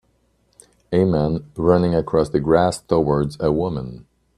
A man running across the grass towards a woman.